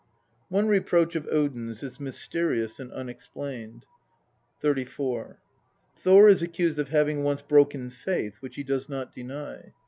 One reproach of Odin's is mysterious and unexplained (34). Thor is accused of having once broken faith, which he does not deny.